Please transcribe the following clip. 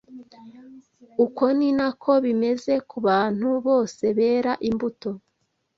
Uko ni nako bimeze ku bantu bose bera imbuto